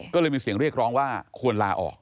ก็เลยมีเสียงเรียกร้องว่าควรลาออก